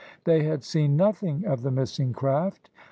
They had seen nothing of the missing craft.